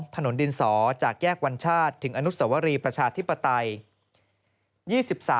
ถนนดินสอจากแยกวัญชาติถึงอนุสวรีประชาธิปไตย